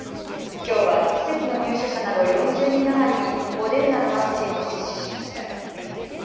きょうは施設の入所者など４０人余りにモデルナのワクチンを接種しました。